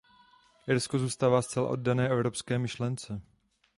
Irsko zůstává zcela oddané evropské myšlence.